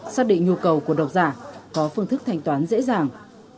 xác định nhu cầu của độc giả có phương thức thanh toán dễ dàng